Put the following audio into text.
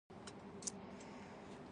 له نورو سره دې هماغه رويه وکړي.